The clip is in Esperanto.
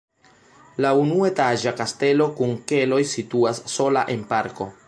La unuetaĝa kastelo kun keloj situas sola en parko.